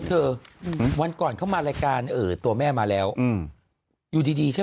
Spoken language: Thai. เธอวันก่อนเขามารายการตัวแม่มาแล้วอยู่ดีใช่ป่ะ